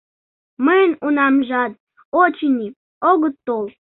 — Мыйын унамжат, очыни, огыт тол...